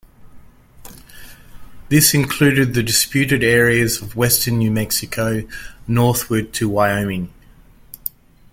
This included the disputed areas of western New Mexico northward to Wyoming.